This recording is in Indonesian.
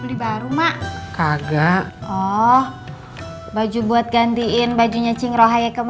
udah mas jangan kekencengan